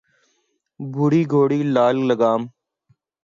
بوڑھی گھوڑی لال لگام